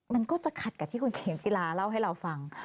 มันก็จะขัดกับที่คุณเข็มจิลาเล่าให้เราฟัง